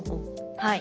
はい。